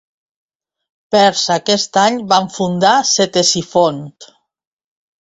Vers aquest any van fundar Ctesifont.